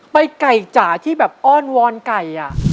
ไก่จ๋าที่แบบอ้อนวอนไก่